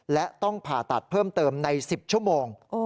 และต้องผ่าตัดเพิ่มเติมใน๑๐ชั่วโมง